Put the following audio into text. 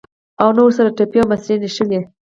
او نه ورسره ټپې او مصرۍ نښلي.